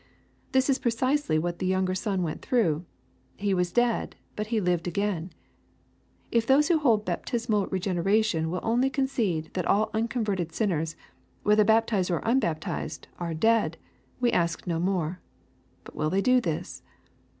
This is precisely what the younger son went through, — ^he was dead, but he " lived again." If those who hold baptismal regen eration will only concede that all unconverted sinners, whether baptized or unbaptized, are " dead," we ask no more. But will they do this